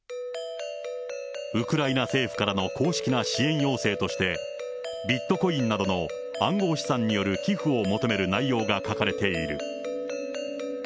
ウクライナ政府からの公式な支援要請として、ビットコインなどの暗号資産による寄付を求める内容が書かれている。